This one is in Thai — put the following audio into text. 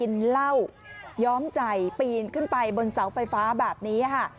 เหล้าย้อมใจปีนขึ้นไปบนเสาไฟฟ้าแบบนี้ค่ะ